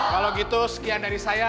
kalau gitu sekian dari saya